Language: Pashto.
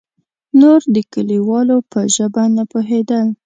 نور د کليوالو په ژبه نه پوهېدل.